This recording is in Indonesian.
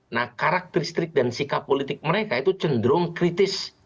nah karakteristik dan sikap politik mereka itu cenderung kritis